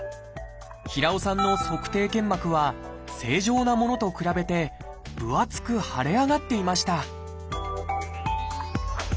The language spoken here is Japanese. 平尾さんの足底腱膜は正常なものと比べて分厚く腫れ上がっていました